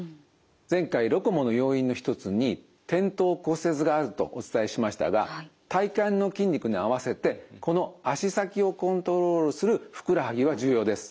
前回ロコモの要因の一つに転倒骨折があるとお伝えしましたが体幹の筋肉に合わせてこの足先をコントロールするふくらはぎは重要です。